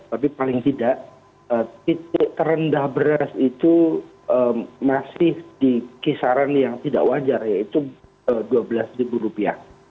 tapi paling tidak titik terendah beras itu masih di kisaran yang tidak wajar yaitu dua belas rupiah